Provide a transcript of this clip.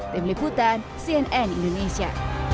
tim liputan cnn indonesia